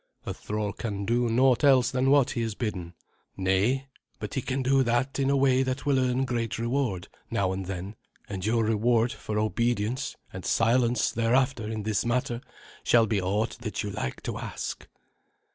"A thrall can do naught else than what he is bidden." "Nay, but he can do that in a way that will earn great reward, now and then; and your reward for obedience and silence thereafter in this matter shall be aught that you like to ask."